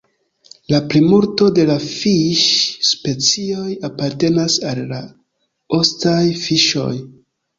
La plimulto de la fiŝ-specioj apartenas al la ostaj fiŝoj.